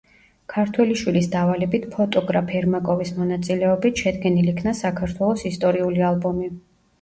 ქართველიშვილის დავალებით, ფოტოგრაფ ერმაკოვის მონაწილეობით, შედგენილ იქნა საქართველოს ისტორიული ალბომი.